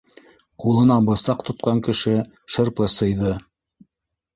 Ҡулына бысаҡ тотҡан кеше шырпы сыйҙы.